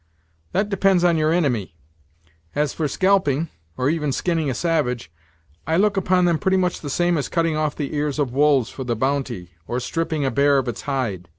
"That depends on your inimy. As for scalping, or even skinning a savage, I look upon them pretty much the same as cutting off the ears of wolves for the bounty, or stripping a bear of its hide.